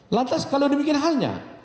lantas kalau dibikin halnya